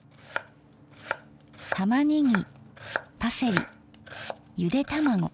たまねぎパセリゆで卵。